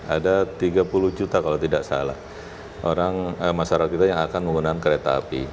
ada tiga puluh juta kalau tidak salah masyarakat kita yang akan menggunakan kereta api